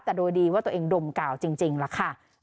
แต่โดยดีว่าตัวเองดมกาวจริงล่ะค่ะ